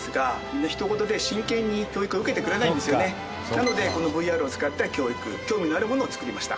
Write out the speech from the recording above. なのでこのＶＲを使った教育興味のあるものを作りました。